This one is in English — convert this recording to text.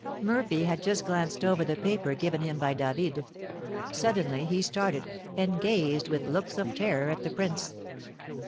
Murphy had just glanced over the paper given him by David; suddenly he started, and gazed with looks of terror at the prince.